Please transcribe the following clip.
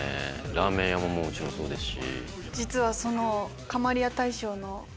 ラーメン屋ももちろんそうですし。